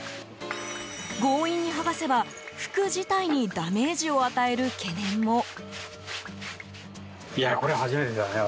強引に剥がせば、服自体にダメージを与える懸念も。